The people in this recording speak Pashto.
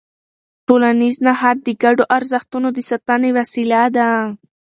ټولنیز نهاد د ګډو ارزښتونو د ساتنې وسیله ده.